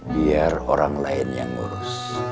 biar orang lain yang ngurus